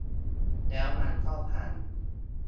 แล้วมันก็พัง